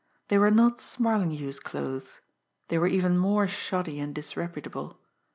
They were not Smarlinghue's clothes they were even more shoddy and disreputable.